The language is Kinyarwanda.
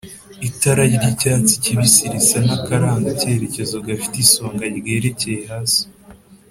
itara ry'icyatsi kibisi risa n'akarangacyerekezo gafite isonga ryerekeye hasi